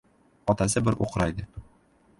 Otasi bir o‘qraydi.